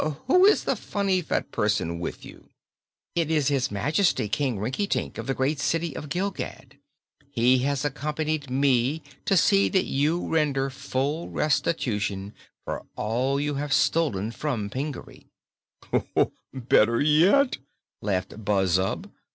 Who is the funny fat person with you?" "It is His Majesty, King Rinkitink, of the great City of Gilgad. He has accompanied me to see that you render full restitution for all you have stolen from Pingaree." "Better yet!" laughed Buzzub.